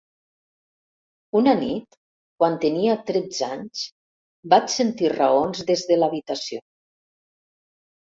Una nit, quan tenia tretze anys, vaig sentir raons des de l'habitació.